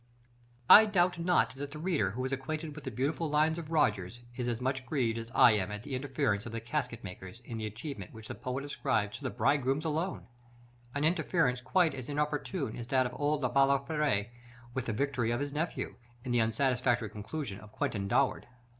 § XII. I doubt not that the reader who is acquainted with the beautiful lines of Rogers is as much grieved as I am at the interference of the "casket makers" with the achievement which the poet ascribes to the bridegrooms alone; an interference quite as inopportune as that of old Le Balafré with the victory of his nephew, in the unsatisfactory conclusion of "Quentin Durward."